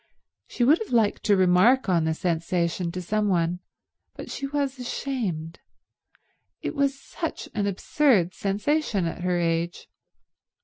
She would have liked to remark on the sensation to some one, but she was ashamed. It was such an absurd sensation at her age.